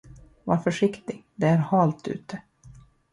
Var försiktig, det är halt ute.